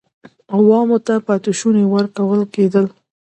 عوام ته پاتې شوني ورکول کېدل.